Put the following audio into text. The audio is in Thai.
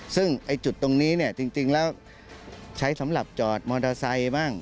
ซึ่งจุดตรงนี้เนี่ยจริงแล้วใช้สำหรับจอดมอเตอร์ไซค์บ้าง